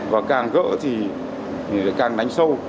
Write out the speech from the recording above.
và càng gỡ thì càng đánh sâu